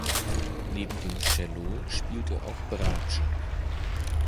Neben dem Cello spielt er auch Bratsche.